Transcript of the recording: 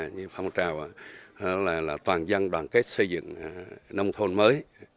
như phong trào toàn dân đoàn kết xây dựng nông thôn mới